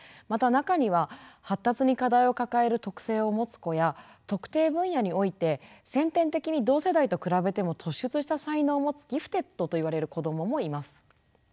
また中には発達に課題を抱える特性を持つ子や特定分野において先天的に同世代と比べても突出した才能を持つギフテッドといわれる子どももいます。